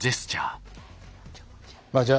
あじゃあ